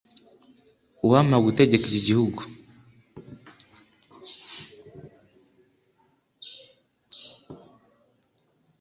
uwampa gutegeka iki gihugu